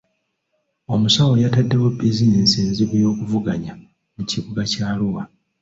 Omusawo yataddewo bizinensi enzibu y'okuvuganya mu kibuga kya Arua.